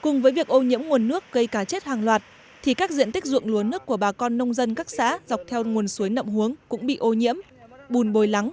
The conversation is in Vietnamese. cùng với việc ô nhiễm nguồn nước gây cá chết hàng loạt thì các diện tích ruộng lúa nước của bà con nông dân các xã dọc theo nguồn suối nậm hướng cũng bị ô nhiễm bùn bồi lắng